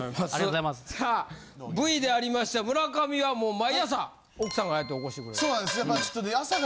さあＶでありました村上はもう毎朝奥さんがああやって起こしてくれんの？